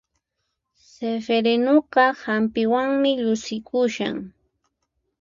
Sifirinuqa hampiwanmi llusikushan